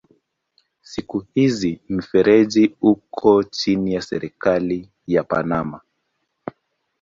Siku hizi mfereji uko chini ya serikali ya Panama.